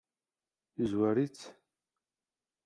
Yezwar-itt?